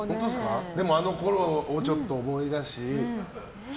でも、あのころをちょっと思い出して。